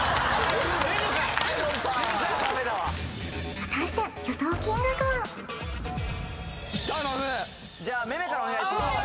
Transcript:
果たしてじゃあめめからお願いします